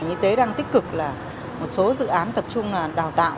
y tế đang tích cực là một số dự án tập trung đào tạo